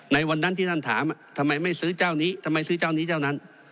ในวันนั้นที่ท่านถามทำไมไม่ซื้อเจ้านี้ทำไมซื้อเจ้านี้เจ้านั้น